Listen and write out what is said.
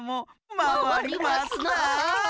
まわりますな。